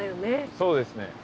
そうですね。